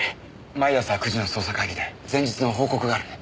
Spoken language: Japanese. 毎朝９時の捜査会議で前日の報告があるんで。